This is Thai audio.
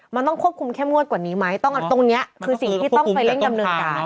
มันต้องควบคุมเข้มงวดกว่านี้ไหมตรงนี้คือสิ่งที่ต้องไปเร่งดำเนินการ